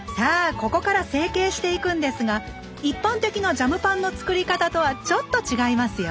ここから成形していくんですが一般的なジャムパンのつくり方とはちょっと違いますよ